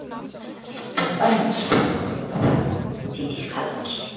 ესპანეთში ყველა ბავშვმა იცის ბურგოსი ცნობილი, როგორც სიდის ქალაქი.